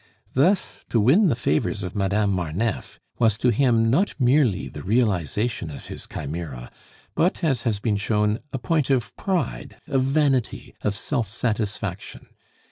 Thus to win the favors of Madame Marneffe was to him not merely the realization of his chimera, but, as has been shown, a point of pride, of vanity, of self satisfaction.